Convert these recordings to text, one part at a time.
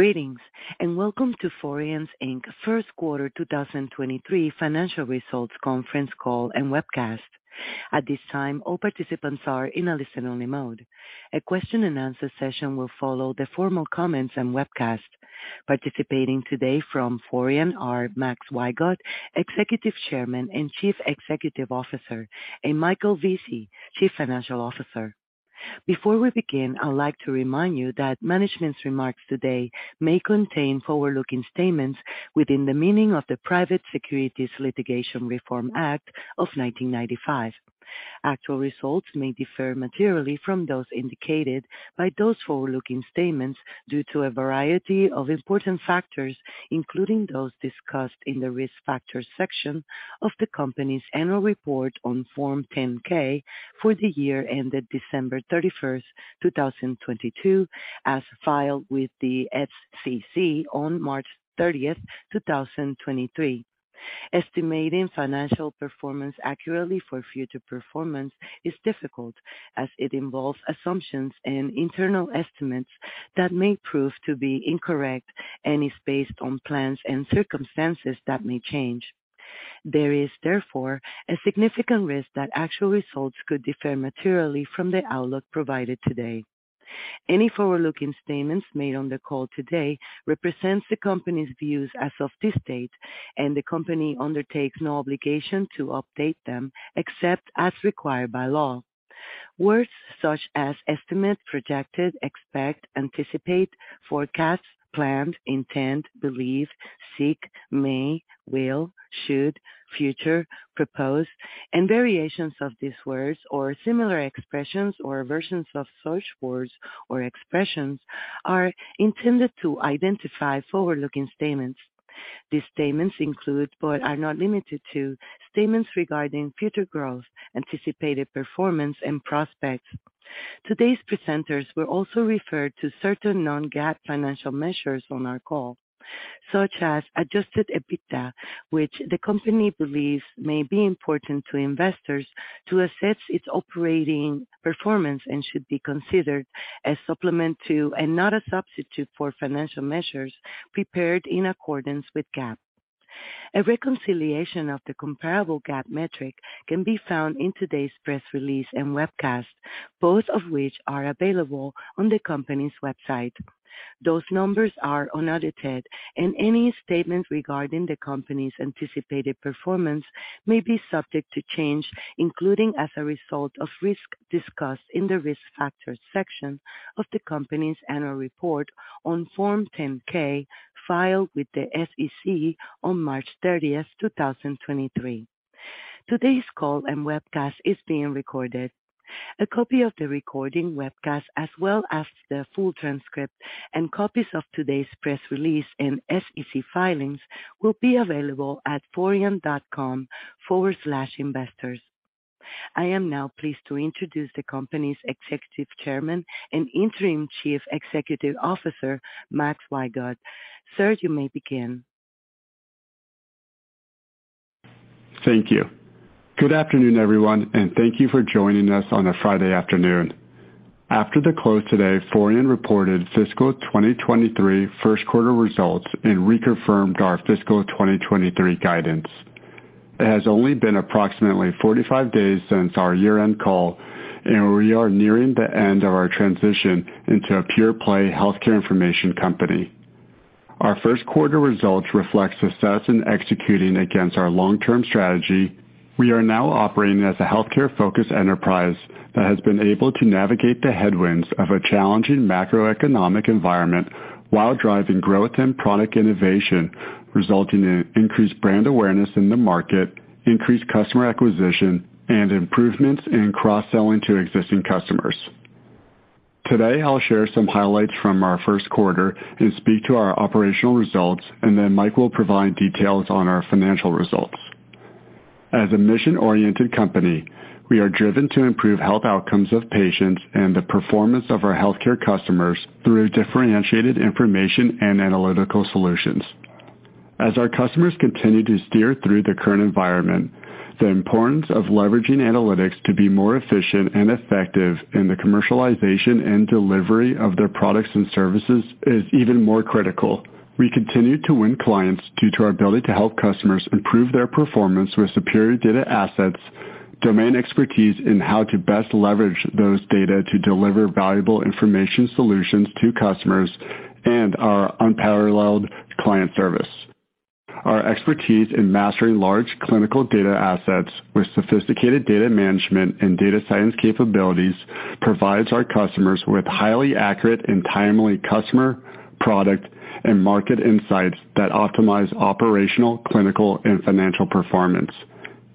Greetings. Welcome to Forian Inc. first quarter 2023 financial results conference call and webcast. At this time, all participants are in a listen-only mode. A question and answer session will follow the formal comments and webcast. Participating today from Forian are Max Wygod, Executive Chairman and Chief Executive Officer, and Michael Vesey, Chief Financial Officer. Before we begin, I would like to remind you that management's remarks today may contain forward-looking statements within the meaning of the Private Securities Litigation Reform Act of 1995. Actual results may differ materially from those indicated by those forward-looking statements due to a variety of important factors, including those discussed in the Risk Factors section of the company's annual report on Form 10-K for the year ended December 31, 2022, as filed with the SEC on March 30, 2023. Estimating financial performance accurately for future performance is difficult as it involves assumptions and internal estimates that may prove to be incorrect and is based on plans and circumstances that may change. There is, therefore, a significant risk that actual results could differ materially from the outlook provided today. Any forward-looking statements made on the call today represents the company's views as of this date, and the company undertakes no obligation to update them except as required by law. Words such as estimate, projected, expect, anticipate, forecast, planned, intent, believe, seek, may, will, should, future, propose, and variations of these words or similar expressions or versions of such words or expressions are intended to identify forward-looking statements. These statements include, but are not limited to, statements regarding future growth, anticipated performance, and prospects. Today's presenters will also refer to certain non-GAAP financial measures on our call, such as adjusted EBITDA, which the company believes may be important to investors to assess its operating performance and should be considered as supplement to and not a substitute for financial measures prepared in accordance with GAAP. A reconciliation of the comparable GAAP metric can be found in today's press release and webcast, both of which are available on the company's website. Those numbers are unaudited and any statement regarding the company's anticipated performance may be subject to change, including as a result of risks discussed in the Risk Factors section of the company's annual report on Form 10-K filed with the SEC on March 30, 2023. Today's call and webcast is being recorded. A copy of the recording webcast, as well as the full transcript and copies of today's press release and SEC filings will be available at forian.com/investors. I am now pleased to introduce the company's Executive Chairman and Interim Chief Executive Officer, Max Wygod. Sir, you may begin. Thank you. Good afternoon, everyone. Thank you for joining us on a Friday afternoon. After the close today, Forian reported fiscal 2023 first quarter results and reconfirmed our fiscal 2023 guidance. It has only been approximately 45 days since our year-end call, and we are nearing the end of our transition into a pure-play healthcare information company. Our first quarter results reflects success in executing against our long-term strategy. We are now operating as a healthcare-focused enterprise that has been able to navigate the headwinds of a challenging macroeconomic environment while driving growth and product innovation, resulting in increased brand awareness in the market, increased customer acquisition, and improvements in cross-selling to existing customers. Today, I'll share some highlights from our first quarter and speak to our operational results, and then Mike will provide details on our financial results. As a mission-oriented company, we are driven to improve health outcomes of patients and the performance of our healthcare customers through differentiated information and analytical solutions. As our customers continue to steer through the current environment, the importance of leveraging analytics to be more efficient and effective in the commercialization and delivery of their products and services is even more critical. We continue to win clients due to our ability to help customers improve their performance with superior data assets, domain expertise in how to best leverage those data to deliver valuable information solutions to customers, and our unparalleled client service. Our expertise in mastering large clinical data assets with sophisticated data management and data science capabilities provides our customers with highly accurate and timely customer, product, and market insights that optimize operational, clinical, and financial performance.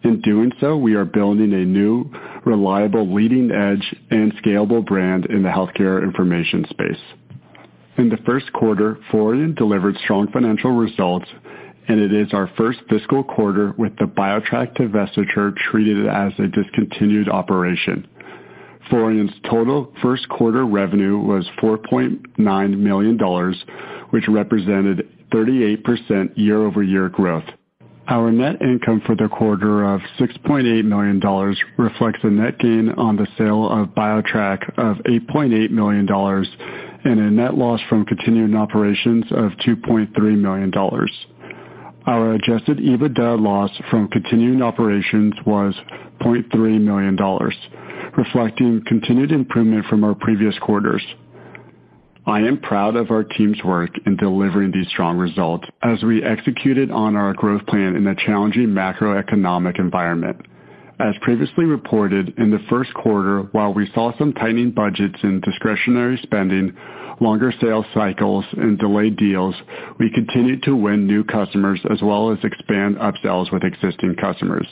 In doing so, we are building a new, reliable, leading-edge and scalable brand in the healthcare information space. In the first quarter, Forian delivered strong financial results, it is our first fiscal quarter with the BioTrack divestiture treated as a discontinued operation. Forian's total first quarter revenue was $4.9 million, which represented 38% year-over-year growth. Our net income for the quarter of $6.8 million reflects a net gain on the sale of BioTrack of $8.8 million and a net loss from continuing operations of $2.3 million. Our adjusted EBITDA loss from continuing operations was $0.3 million, reflecting continued improvement from our previous quarters. I am proud of our team's work in delivering these strong results as we executed on our growth plan in a challenging macroeconomic environment. As previously reported, in the first quarter, while we saw some tightening budgets in discretionary spending, longer sales cycles and delayed deals, we continued to win new customers as well as expand upsells with existing customers.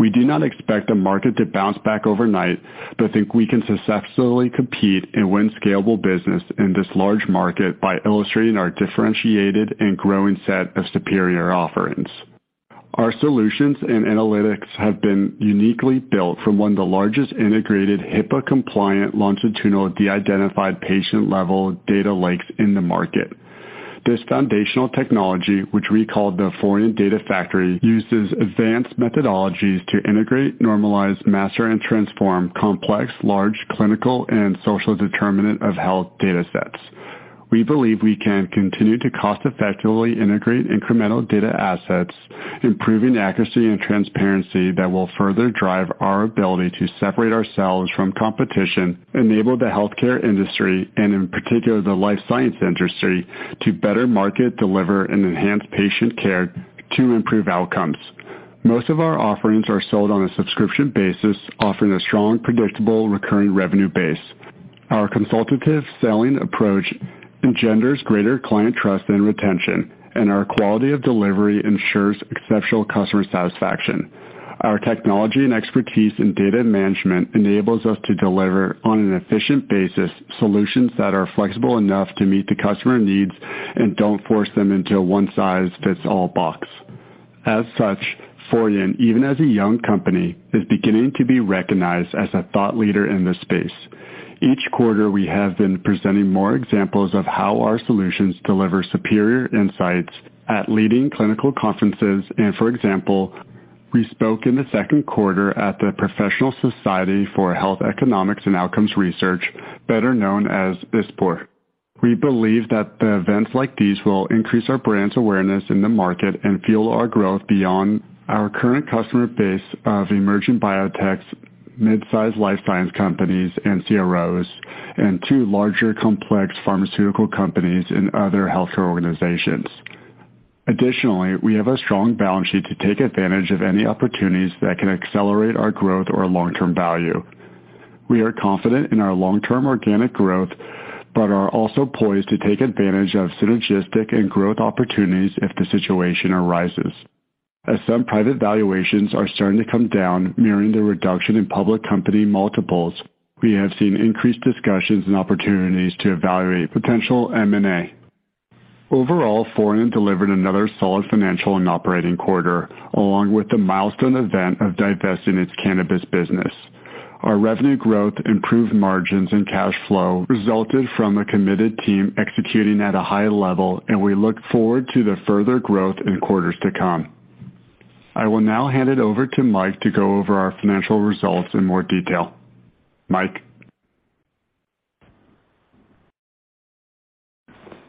We do not expect the market to bounce back overnight, but think we can successfully compete and win scalable business in this large market by illustrating our differentiated and growing set of superior offerings. Our solutions and analytics have been uniquely built from one of the largest integrated HIPAA-compliant, longitudinal, de-identified patient-level data lakes in the market. This foundational technology, which we call the Forian Data Factory, uses advanced methodologies to integrate, normalize, master, and transform complex, large clinical and social determinant of health datasets. We believe we can continue to cost effectively integrate incremental data assets, improving accuracy and transparency that will further drive our ability to separate ourselves from competition, enable the healthcare industry, and in particular the life science industry, to better market, deliver, and enhance patient care to improve outcomes. Most of our offerings are sold on a subscription basis, offering a strong, predictable, recurring revenue base. Our consultative selling approach engenders greater client trust and retention. Our quality of delivery ensures exceptional customer satisfaction. Our technology and expertise in data management enables us to deliver on an efficient basis solutions that are flexible enough to meet the customer needs and don't force them into a one-size-fits-all box. As such, Forian, even as a young company, is beginning to be recognized as a thought leader in this space. Each quarter, we have been presenting more examples of how our solutions deliver superior insights at leading clinical conferences. For example, we spoke in the second quarter at the Professional Society for Health Economics and Outcomes Research, better known as ISPOR. We believe that the events like these will increase our brand's awareness in the market and fuel our growth beyond our current customer base of emerging biotechs, mid-size life science companies and CROs, and to larger, complex pharmaceutical companies and other healthcare organizations. Additionally, we have a strong balance sheet to take advantage of any opportunities that can accelerate our growth or long-term value. We are confident in our long-term organic growth, are also poised to take advantage of synergistic and growth opportunities if the situation arises. As some private valuations are starting to come down, mirroring the reduction in public company multiples, we have seen increased discussions and opportunities to evaluate potential M&A. Overall, Forian delivered another solid financial and operating quarter, along with the milestone event of divesting its cannabis business. Our revenue growth, improved margins, and cash flow resulted from a committed team executing at a high level. We look forward to the further growth in quarters to come. I will now hand it over to Mike to go over our financial results in more detail. Mike?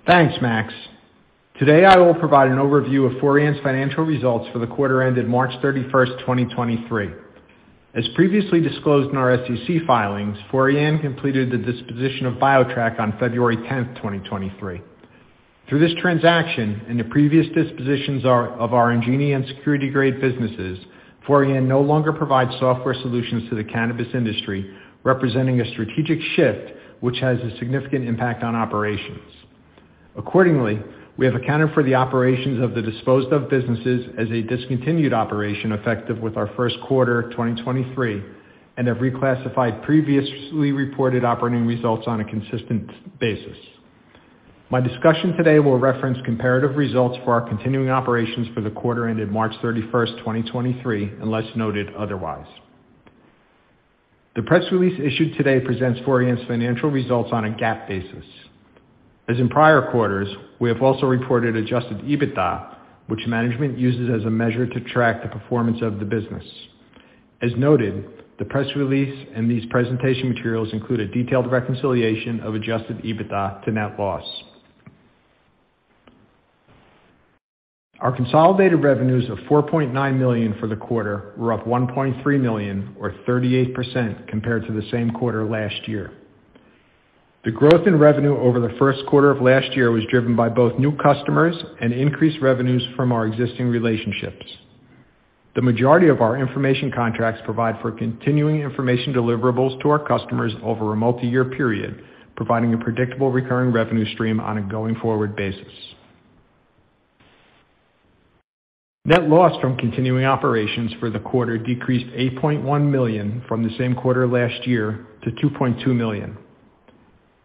Thanks, Max. Today, I will provide an overview of Forian's financial results for the quarter ended March 31st, 2023. As previously disclosed in our SEC filings, Forian completed the disposition of BioTrack on February 10th, 2023. Through this transaction and the previous dispositions of our Ingenia and SecurityGrade businesses, Forian no longer provides software solutions to the cannabis industry, representing a strategic shift which has a significant impact on operations. Accordingly, we have accounted for the operations of the disposed of businesses as a discontinued operation effective with our 1st quarter of 2023 and have reclassified previously reported operating results on a consistent basis. My discussion today will reference comparative results for our continuing operations for the quarter ended March 31st, 2023, unless noted otherwise. The press release issued today presents Forian's financial results on a GAAP basis. As in prior quarters, we have also reported adjusted EBITDA, which management uses as a measure to track the performance of the business. As noted, the press release and these presentation materials include a detailed reconciliation of adjusted EBITDA to net loss. Our consolidated revenues of $4.9 million for the quarter were up $1.3 million or 38% compared to the same quarter last year. The growth in revenue over the first quarter of last year was driven by both new customers and increased revenues from our existing relationships. The majority of our information contracts provide for continuing information deliverables to our customers over a multiyear period, providing a predictable recurring revenue stream on a going-forward basis. Net loss from continuing operations for the quarter decreased $8.1 million from the same quarter last year to $2.2 million.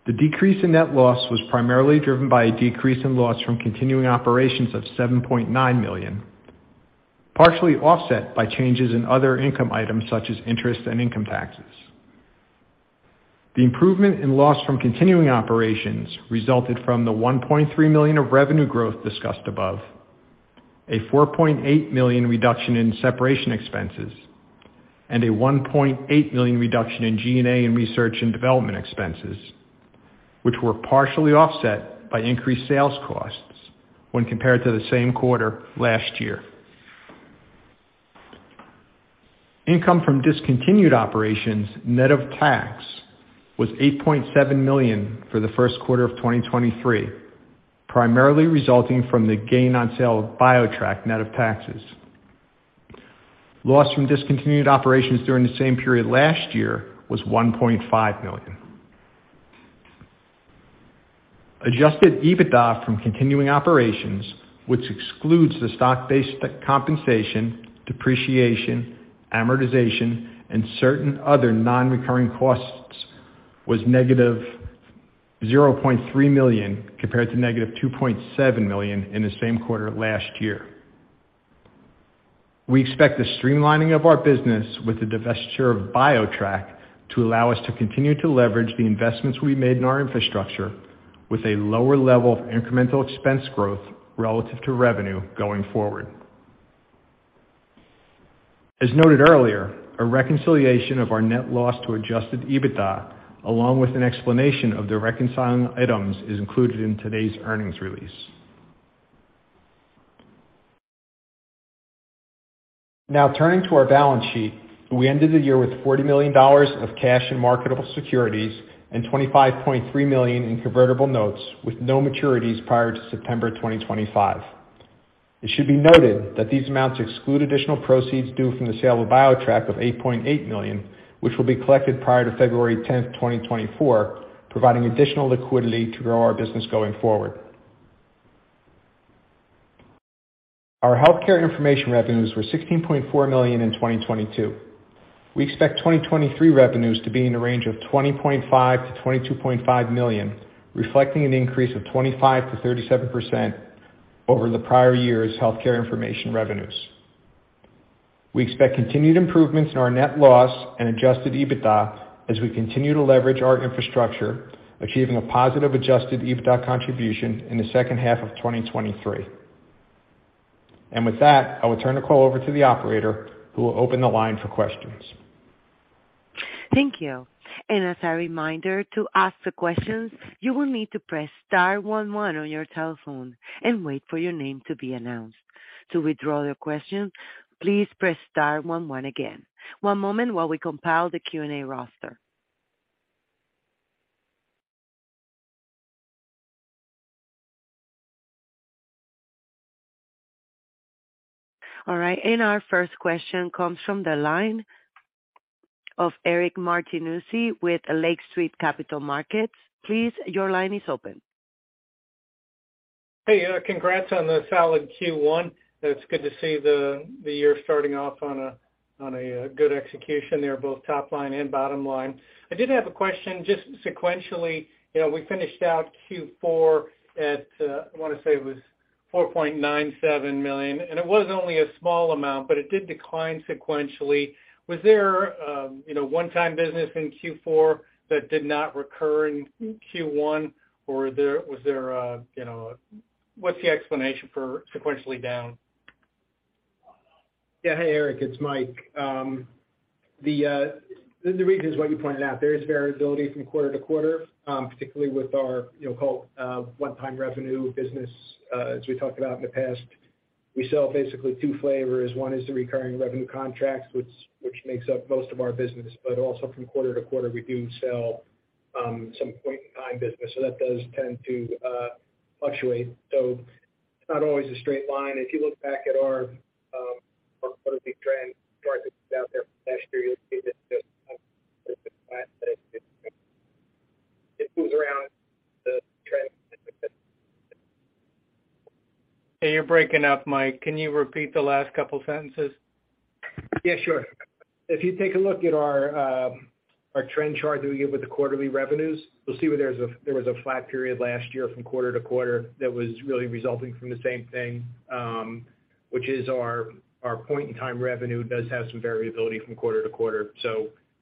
The decrease in net loss was primarily driven by a decrease in loss from continuing operations of $7.9 million, partially offset by changes in other income items such as interest and income taxes. The improvement in loss from continuing operations resulted from the $1.3 million of revenue growth discussed above, a $4.8 million reduction in separation expenses, and a $1.8 million reduction in SG&A and research and development expenses, which were partially offset by increased sales costs when compared to the same quarter last year. Income from discontinued operations net of tax was $8.7 million for the first quarter of 2023, primarily resulting from the gain on sale of BioTrack net of taxes. Loss from discontinued operations during the same period last year was $1.5 million. Adjusted EBITDA from continuing operations, which excludes the stock-based compensation, depreciation, amortization, and certain other non-recurring costs, was -$0.3 million compared to -$2.7 million in the same quarter last year. We expect the streamlining of our business with the divestiture of BioTrack to allow us to continue to leverage the investments we made in our infrastructure with a lower level of incremental expense growth relative to revenue going forward. As noted earlier, a reconciliation of our net loss to adjusted EBITDA, along with an explanation of the reconciling items, is included in today's earnings release. Turning to our balance sheet. We ended the year with $40 million of cash and marketable securities and $25.3 million in convertible notes with no maturities prior to September 2025. It should be noted that these amounts exclude additional proceeds due from the sale of BioTrack of $8.8 million, which will be collected prior to February 10, 2024, providing additional liquidity to grow our business going forward. Our healthcare information revenues were $16.4 million in 2022. We expect 2023 revenues to be in the range of $20.5 million-$22.5 million, reflecting an increase of 25%-37% over the prior year's healthcare information revenues. We expect continued improvements in our net loss and adjusted EBITDA as we continue to leverage our infrastructure, achieving a positive adjusted EBITDA contribution in the second half of 2023. With that, I will turn the call over to the operator who will open the line for questions. Thank you. As a reminder, to ask the questions, you will need to press star one one on your telephone and wait for your name to be announced. To withdraw your question, please press star one one again. One moment while we compile the Q&A roster. All right, our first question comes from the line of Eric Martinuzzi with Lake Street Capital Markets. Please, your line is open. Hey, congrats on the solid Q1. It's good to see the year starting off on a good execution there, both top line and bottom line. I did have a question just sequentially., we finished out Q4 at, I wanna say it was $4.97 million, and it was only a small amount, but it did decline sequentially. Was there one-time business in Q4 that did not recur in Q1, or was there,... What's the explanation for sequentially down? Yeah. Hey, Eric, it's Mike. The reason is what you pointed out. There is variability from quarter to quarter, particularly with our one-time revenue business. As we talked about in the past, we sell basically two flavors. One is the recurring revenue contracts, which makes up most of our business, also from quarter to quarter, we do sell some point-in-time business. That does tend to fluctuate. It's not always a straight line. If you look back at our quarterly trend chart that's out there from last year, you'll see that the Hey, you're breaking up, Mike. Can you repeat the last couple sentences? Yeah, sure. If you take a look at our trend chart that we give with the quarterly revenues, you'll see where there was a flat period last year from quarter to quarter that was really resulting from the same thing, which is our point-in-time revenue does have some variability from quarter to quarter.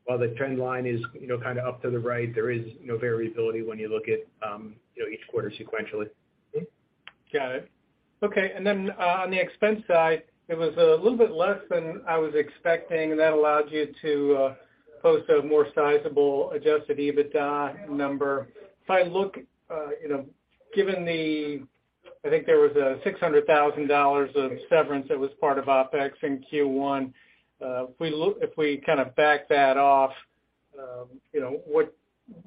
While the trend line is kinda up to the right, there is variability when you look at each quarter sequentially. Got it. Okay. Then, on the expense side, it was a little bit less than I was expecting, and that allowed you to post a more sizable adjusted EBITDA number. If I look I think there was a $600,000 of severance that was part of OpEx in Q1. If we kinda back that off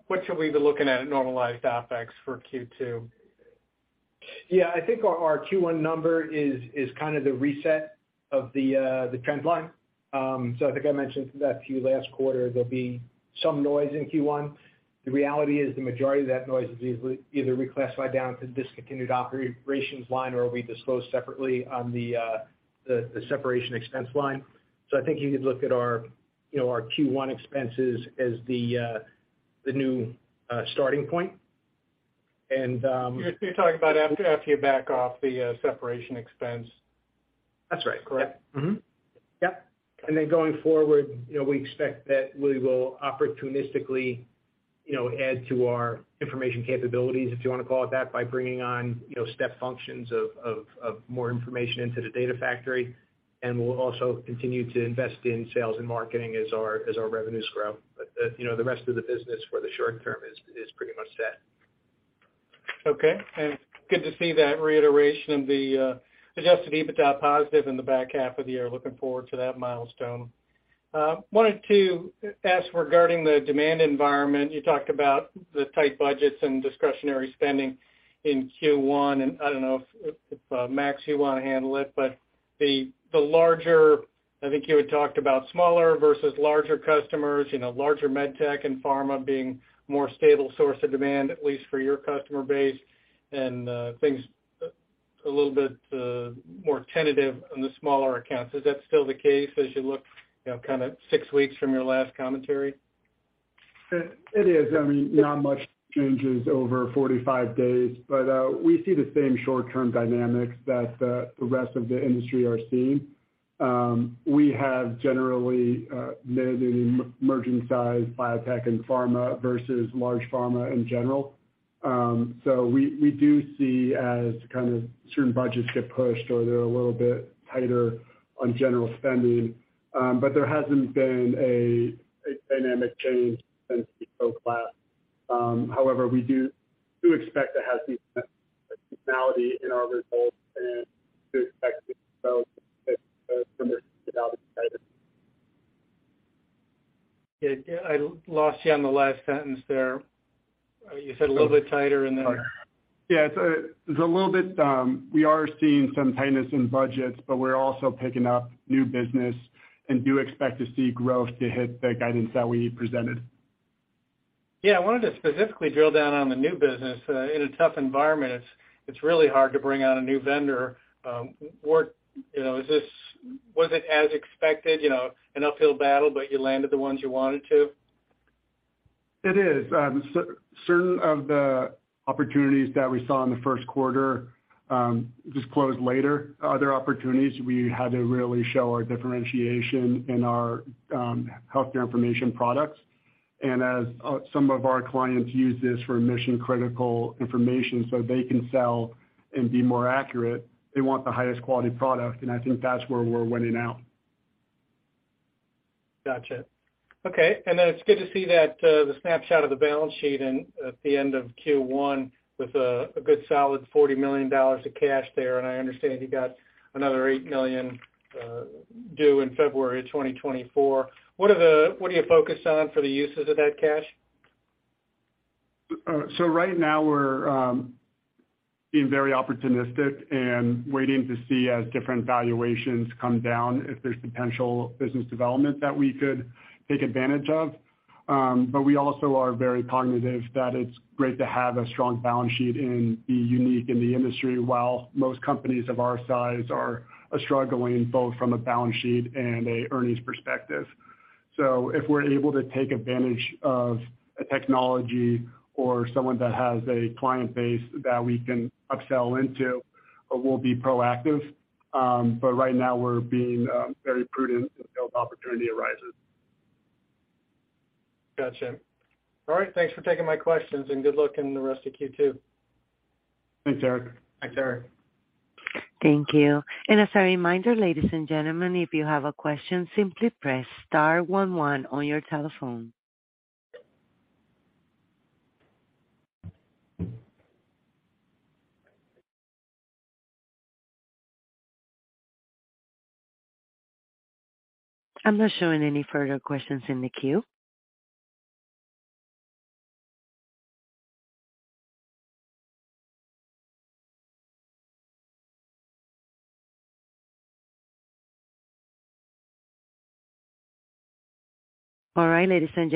what should we be looking at in normalized OpEx for Q2? I think our Q1 number is kind of the reset of the trend line. I think I mentioned that to you last quarter, there'll be some noise in Q1. The reality is the majority of that noise is either reclassified down to the discontinued operations line or will be disclosed separately on the separation expense line. I think you could look at our our Q1 expenses as the new starting point. And, um- You're talking about after you back off the separation expense. That's right. Correct. Yep. Then going forward we expect that we will opportunistically add to our information capabilities, if you wanna call it that, by bringing on step functions of more information into the Data Factory. We'll also continue to invest in sales and marketing as our revenues grow., the rest of the business for the short term is pretty much set. Okay. Good to see that reiteration of the adjusted EBITDA positive in the back half of the year. Looking forward to that milestone. Wanted to ask regarding the demand environment. You talked about the tight budgets and discretionary spending in Q1. I don't know if Max Wygod, you wanna handle it, but the larger... I think you had talked about smaller versus larger customers larger med tech and pharma being more stable source of demand, at least for your customer base and things a little bit more tentative on the smaller accounts. Is that still the case as you look kinda six weeks from your last commentary? It is. I mean, not much changes over 45 days, we see the same short-term dynamics that the rest of the industry are seeing. We have generally, mid and emerging size biotech and pharma versus large pharma in general. We do see as kind of certain budgets get pushed or they're a little bit tighter on general spending. There hasn't been a dynamic change since we spoke last. However, we do expect to have seasonality in our results and do expect tighter. Yeah. I lost you on the last sentence there. You said a little bit tighter and then- Yeah. It's a little bit, We are seeing some tightness in budgets, but we're also picking up new business and do expect to see growth to hit the guidance that we presented. Yeah. I wanted to specifically drill down on the new business. In a tough environment, it's really hard to bring on a new vendor. Was it as expected an uphill battle, but you landed the ones you wanted to? It is. Certain of the opportunities that we saw in the first quarter just closed later. Other opportunities, we had to really show our differentiation in our healthcare information products. As some of our clients use this for mission-critical information so they can sell and be more accurate, they want the highest quality product, and I think that's where we're winning out. Gotcha. Okay. It's good to see that, the snapshot of the balance sheet and at the end of Q1 with a good solid $40 million of cash there, and I understand you got another $8 million due in February 2024. What are you focused on for the uses of that cash? Right now we're being very opportunistic and waiting to see as different valuations come down, if there's potential business development that we could take advantage of. We also are very cognitive that it's great to have a strong balance sheet and be unique in the industry, while most companies of our size are struggling, both from a balance sheet and an earnings perspective. If we're able to take advantage of a technology or someone that has a client base that we can upsell into, we'll be proactive. Right now we're being very prudent until the opportunity arises. Gotcha. All right. Thanks for taking my questions and good luck in the rest of Q2. Thanks, Eric. Thanks, Eric. Thank you. As a reminder, ladies and gentlemen, if you have a question, simply press star one one on your telephone. I'm not showing any further questions in the queue. All right, ladies and gentlemen.